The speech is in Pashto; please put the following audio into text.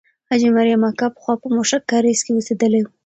حاجي مریم اکا پخوا په موشک کارېز کې اوسېدلې وه.